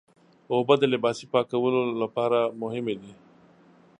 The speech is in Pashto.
اوبه د لباسي پاکولو لپاره مهمې دي.